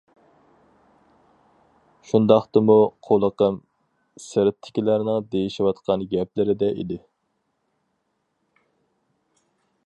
شۇنداقتىمۇ قۇلىقىم سىرتتىكىلەرنىڭ دېيىشىۋاتقان گەپلىرىدە ئىدى.